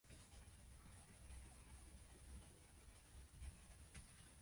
僕と面識のない、どこか遠い街の知らない誰かの葬式に迷い込んでしまったようだ。